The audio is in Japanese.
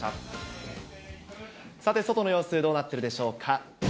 さて、外の様子、どうなっているんでしょうか。